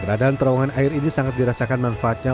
keberadaan terowongan air ini sangat dirasakan manfaatnya